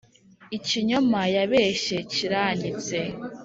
ikinyoma yabeshye kiranyitse.